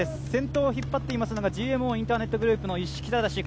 銭湯を引っ張っているのはＧＭＯインターネットグループの一色恭志。